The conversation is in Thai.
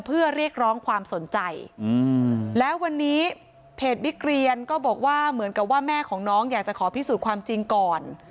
เพจบิ๊กเรียนก็บอกว่าเหมือนกับว่าแม่ของน้องอยากจะขอพิสูจน์ความจริงก่อน